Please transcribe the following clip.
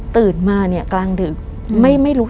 ตื่นมากลางดึก